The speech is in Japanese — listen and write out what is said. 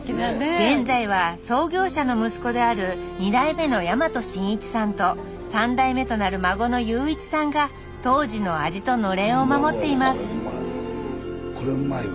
現在は創業者の息子である２代目の大和信一さんと３代目となる孫の裕一さんが当時の味とのれんを守っていますうわうわ